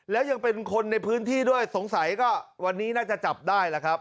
แล้วยังเป็นคนในพื้นที่ด้วยสงสัยก็วันนี้น่าจะจับได้ล่ะครับ